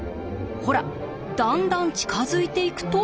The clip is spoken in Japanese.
ほらだんだん近づいていくと。